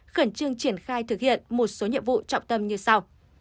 khẩn trương triển khai thực hiện một số nhiệm vụ trọng tâm như sau